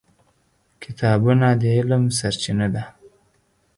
کتابونه د علم سرچینه ده.